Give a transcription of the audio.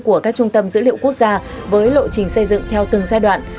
của các trung tâm dữ liệu quốc gia với lộ trình xây dựng theo từng giai đoạn